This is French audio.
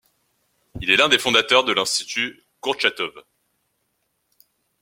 Il est l'un des fondateurs de l'institut Kourtchatov.